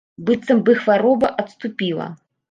Быццам бы хвароба адступіла.